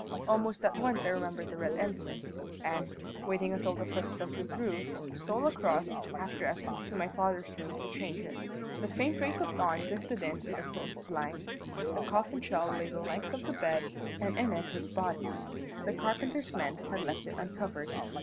Almost at once I remembered the red ensign, and, waiting until the footsteps withdrew, stole across, half dressed, to my father's room to change it. The faint rays of dawn drifted in through the closed blinds. The coffin shell lay the length of the bed, and in it his body. The carpenter's men had left it uncovered.